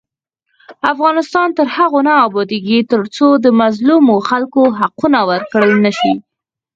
افغانستان تر هغو نه ابادیږي، ترڅو د مظلومو خلکو حقونه ورکړل نشي.